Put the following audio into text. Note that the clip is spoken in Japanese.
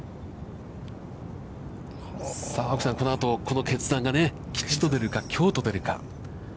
さあ青木さん、このあと、この決断が吉と出るか凶と出るか。